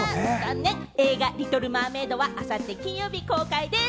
映画『リトル・マーメイド』はあさって金曜日公開です。